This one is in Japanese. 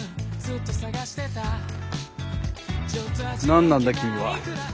何なんだ君は。